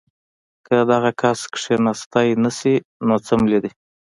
کۀ دغه کس کښېناستے نشي نو څملي دې